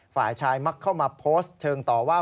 ฝ่ายชายมักเข้ามาโพสต์เชิงต่อว่า